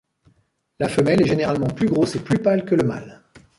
La femelle est généralement plus grosse et plus pâle que le mâle.